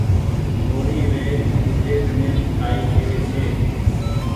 هوڙي ري ۮوجي ۮنين ڪآئي ڪيوي ڇي